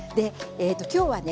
今日はね